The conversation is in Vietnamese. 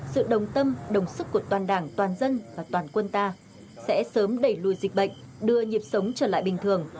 sự đồng tâm đồng sức của toàn đảng toàn dân và toàn quân ta sẽ sớm đẩy lùi dịch bệnh đưa nhịp sống trở lại bình thường